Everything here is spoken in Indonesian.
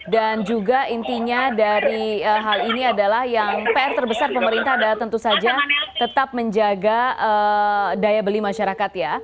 dan juga intinya dari hal ini adalah yang pr terbesar pemerintah adalah tentu saja tetap menjaga daya beli masyarakat